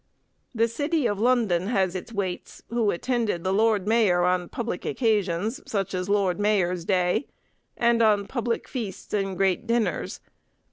The City of London had its waits, who attended the Lord Mayor on public occasions, such as Lord Mayor's day, and on public feasts, and great dinners.